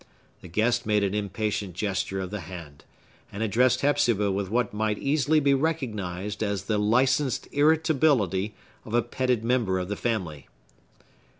The guest made an impatient gesture of the hand, and addressed Hepzibah with what might easily be recognized as the licensed irritability of a petted member of the family.